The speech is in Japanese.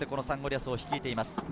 リアスを率いています。